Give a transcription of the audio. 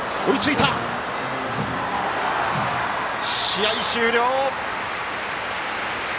試合終了！